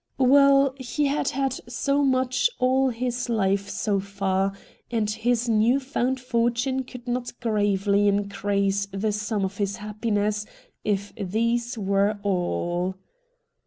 Well, he had had so much all his life so far, and his new found fortune could not gravely increase the sum of his happiness if these were all.